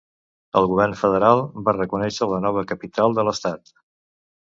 El govern federal va reconèixer la nova capital de l'estat.